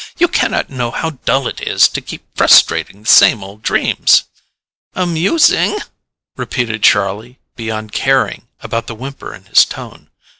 You cannot know how dull it is to keep frustrating the same old dreams!" "Amusing?" repeated Charlie, beyond caring about the whimper in his tone.